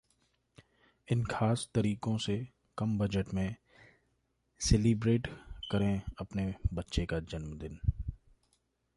इन खास तरीकों से कम बजट में सेलीब्रेट करें अपने बच्चे का जन्मदिन